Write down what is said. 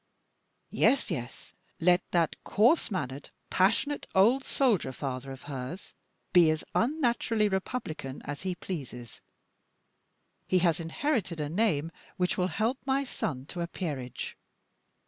Yes, yes; let that coarse mannered, passionate, old soldier father of hers be as unnaturally republican as he pleases, he has inherited a name which will help my son to a peerage!